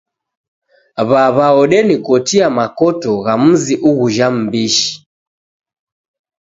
W'aw'a odenikotia makoto gha muzi ughuja m'mbishi.